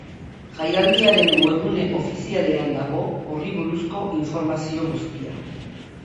Jaialdiaren webgune ofizialean dago horri buruzko informazio guztia.